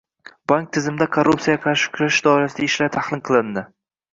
Bank tizimida korrupsiyaga qarshi kurashish borasidagi ishlar tahlil qilindi